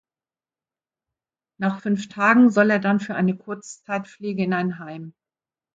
Nach fünf Tagen soll er dann für eine Kurzzeitpflege in ein Heim.